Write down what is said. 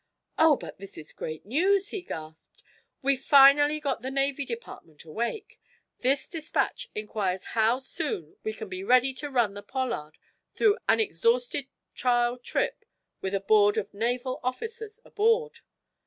"Oh, but this is great news!" he gasped. "We've finally got the Navy Department awake. This dispatch inquires how soon we can be ready to run the 'Pollard' through an exhaustive trial trip with a board of Naval officers aboard.